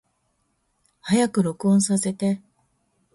早く録音させて